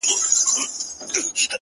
• هيواد مي هم په ياد دى،